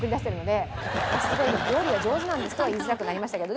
すごい料理は上手なんですとは言いづらくなりましたけど。